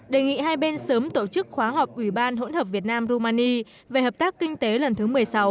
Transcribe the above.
đề nghị hai bên sớm tổ chức khóa họp ủy ban hỗn hợp việt nam rumani về hợp tác kinh tế lần thứ một mươi sáu